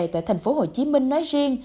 tại thành phố hồ chí minh nói riêng